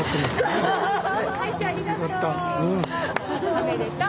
おめでとう。